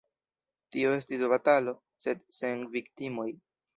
Tio estis batalo, sed sen viktimoj.